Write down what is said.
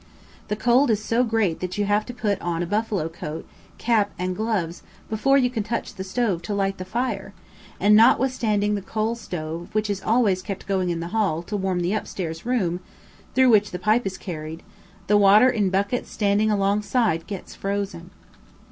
The cold is so great that you have to put on a buffalo coat, cap, and gloves, before you can touch the stove to light the fire, and notwithstanding the coal stove which is always kept going in the hall to warm the up stairs room (through which the pipe is carried), the water in buckets standing alongside gets frozen.